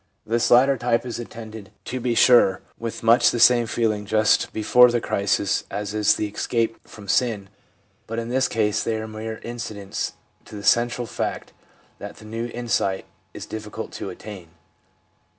This latter type is attended, to be sure, with much the same feelings just before the crisis as is the escape from sin, but in this case they are mere incidents to the central fact that the new insight is difficult to attain.